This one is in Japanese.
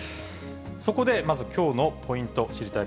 そこで、まずきょうのポイント、知りたいッ！